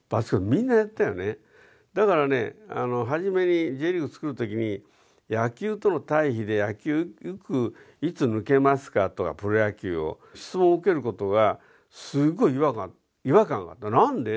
みんなやったよねだからねあのはじめにＪリーグつくる時に野球との対比で野球よくいつ抜けますか？とかプロ野球を質問を受けることがすごい違和感違和感があったの何で？